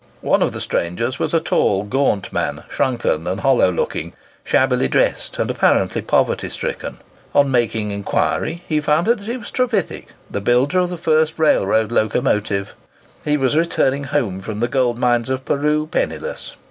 One of the strangers was a tall, gaunt man, shrunken and hollow looking, shabbily dressed, and apparently poverty stricken. On making inquiry, he found it was Trevithick, the builder of the first railroad locomotive! He was returning home from the gold mines of Peru penniless.